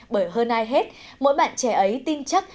bởi hơn ai hết mỗi bạn trẻ ấy tin chắc